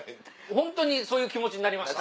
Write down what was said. ホントにそういう気持ちになりました。